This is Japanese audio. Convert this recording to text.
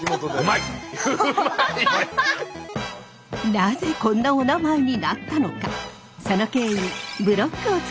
なぜこんなおなまえになったのか？